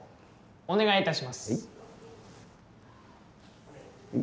お願いいたします。